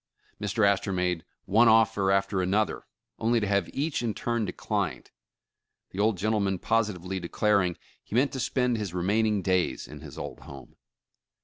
Mr. Astor made one offer after another, only to have each in turn de clined, the old gentleman positively declaring he meant to spend his remaining days in his old home.